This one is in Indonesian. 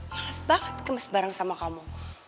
males banget gemes bareng sama kamu